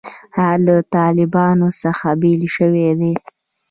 هغه له طالبانو څخه بېل شوی دی.